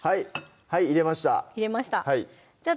はい入れましたじゃ